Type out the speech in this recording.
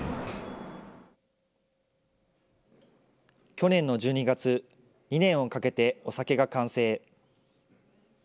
去年の１２月、２年をかけてお酒が完成。